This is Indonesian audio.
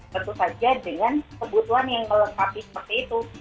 tentu saja dengan kebutuhan yang melengkapi seperti itu